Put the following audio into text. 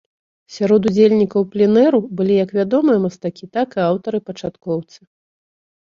Сярод удзельнікаў пленэру былі як вядомыя мастакі, так і аўтары-пачаткоўцы.